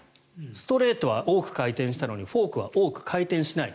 ストレートは多く回転したのにフォークは多く回転しない。